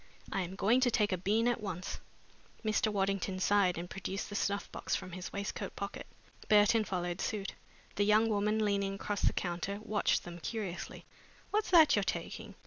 I am going to take a bean at once." Mr. Waddington sighed and produced the snuff box from his waistcoat pocket. Burton followed suit. The young woman, leaning across the counter, watched them curiously. "What's that you're taking?"